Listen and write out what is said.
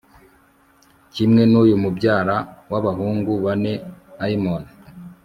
kimwe n'uyu mubyara w'abahungu bane aimon